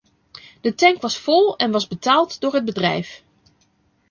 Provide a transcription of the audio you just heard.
De tank was vol en was betaald door het bedrijf.